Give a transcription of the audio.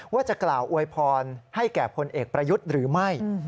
ว่าจะกล่าวอวยพรให้แก่พลเอกประยุทธ์หรือไม่